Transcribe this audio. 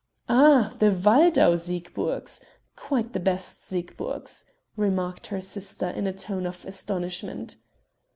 "Ah! the Waldau Siegburgs! quite the best Siegburgs!" remarked her sister in a tone of astonishment.